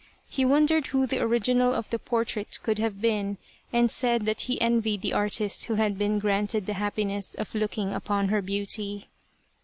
He wondered who the original of the portrait could have been, and said that he envied the artist who had been granted the happiness of looking upon her beauty.